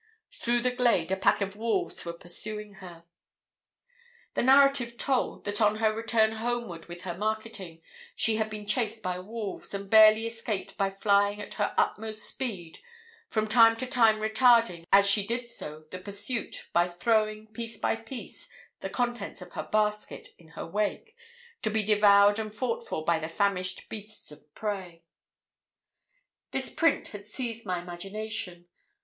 Through the glade a pack of wolves were pursuing her. The narrative told, that on her return homeward with her marketing, she had been chased by wolves, and barely escaped by flying at her utmost speed, from time to time retarding, as she did so, the pursuit, by throwing, piece by piece, the contents of her basket, in her wake, to be devoured and fought for by the famished beasts of prey. This print had seized my imagination.